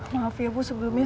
maaf ya bu sebelumnya